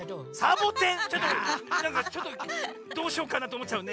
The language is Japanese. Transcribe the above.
ちょっとなんかどうしようかなとおもっちゃうね。